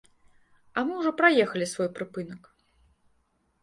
А мы ўжо праехалі свой прыпынак.